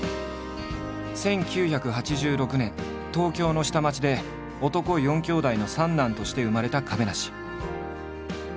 １９８６年東京の下町で男４兄弟の３男として生まれた亀梨。